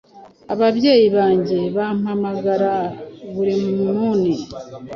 ababyeyi banjye bampamagara buri muni